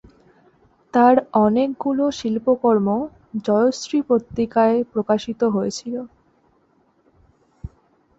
তার অনেকগুলো শিল্পকর্ম জয়শ্রী পত্রিকায় প্রকাশিত হয়েছিল।